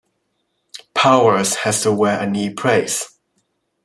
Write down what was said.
Powers has to wear a knee brace.